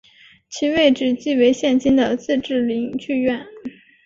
其位置即为现今的自治领剧院。